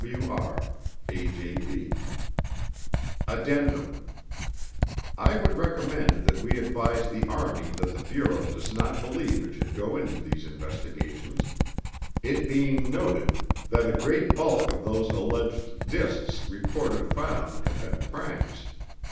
SWR:AJB ADDENDUM I would recommend that we advise the Army that the Bureau does not believe it should go into these investigations, it being noted that a great bulk of those alleged discs reported found have been pranks.